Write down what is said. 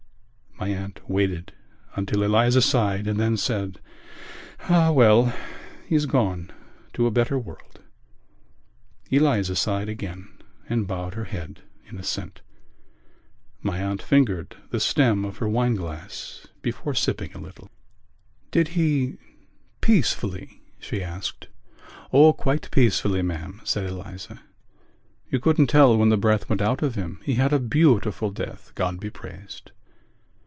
My aunt waited until Eliza sighed and then said: "Ah, well, he's gone to a better world." Eliza sighed again and bowed her head in assent. My aunt fingered the stem of her wine glass before sipping a little. "Did he ... peacefully?" she asked. "Oh, quite peacefully, ma'am," said Eliza. "You couldn't tell when the breath went out of him. He had a beautiful death, God be praised."